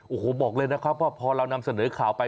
โอ้โหบอกเลยนะครับว่าพอเรานำเสนอข่าวไป